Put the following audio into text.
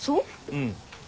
うん。